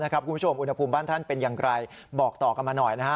คุณผู้ชมอุณหภูมิบ้านท่านเป็นอย่างไรบอกต่อกันมาหน่อยนะฮะ